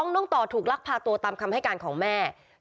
น้องต่อถูกลักพาตัวตามคำให้การของแม่